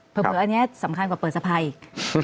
เพราะเมื่ออันนี้สำคัญกว่าเปิดสภาคอีก